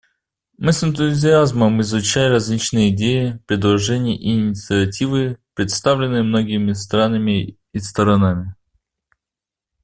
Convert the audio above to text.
Мы с энтузиазмом изучали различные идеи, предложения и инициативы, представленные многими странами и сторонами.